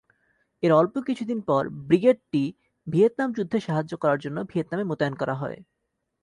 এর অল্প কিছুদিন পর, ব্রিগেডটি ভিয়েতনাম যুদ্ধে সাহায্য করার জন্য ভিয়েতনামে মোতায়েন করা হয়।